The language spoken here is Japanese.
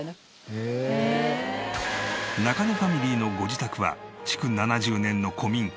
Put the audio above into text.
中根ファミリーのご自宅は築７０年の古民家